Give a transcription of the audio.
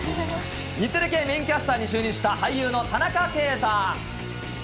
日テレ系メインキャスターに就任した俳優の田中圭さん。